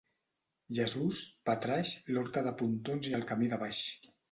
Jesús, Patraix, l'Horta de Pontons i el camí de baix.